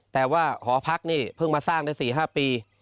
แต่ว่าหอพักนี่เพิ่งมาสร้างได้๔๕ปี